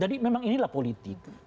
jadi memang inilah politik